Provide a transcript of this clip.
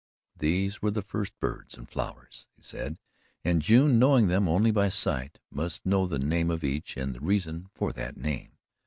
These were the first birds and flowers, he said, and June, knowing them only by sight, must know the name of each and the reason for that name.